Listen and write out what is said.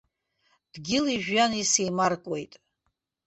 Дгьыли-жәҩани сеимаркуеит.